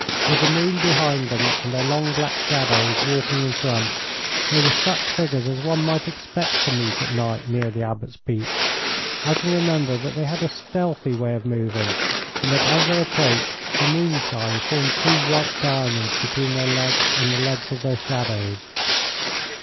With the moon behind them and their long black shadows walking in front, they were such figures as one might expect to meet at night near the Abbot's Beech. I can remember that they had a stealthy way of moving, and that as they approached, the moonshine formed two white diamonds between their legs and the legs of their shadows.